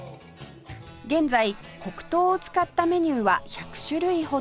現在黒糖を使ったメニューは１００種類ほど